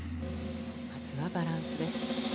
まずはバランスです。